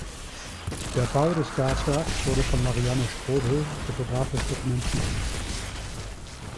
Der Bau des Gaswerks wurde von Marianne Strobl fotografisch dokumentiert.